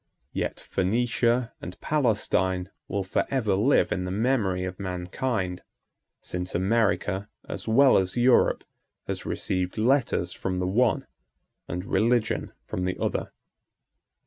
821 Yet Phœnicia and Palestine will forever live in the memory of mankind; since America, as well as Europe, has received letters from the one, and religion from the other.